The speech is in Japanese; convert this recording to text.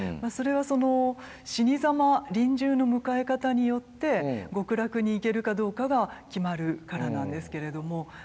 それはその死にざま臨終の迎え方によって極楽に行けるかどうかが決まるからなんですけれども。